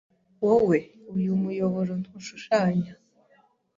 wowe? Uyu muyoboro ntushushanya